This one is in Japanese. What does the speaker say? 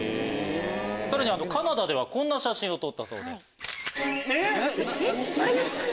さらにはカナダではこんな写真を撮ったそうです。